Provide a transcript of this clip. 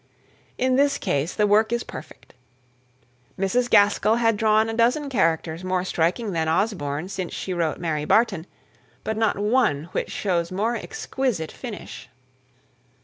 In this case the work is perfect. Mrs. Gaskell has drawn a dozen characters more striking than Osborne since she wrote Mary Barton, but not one which shows more exquisite finish.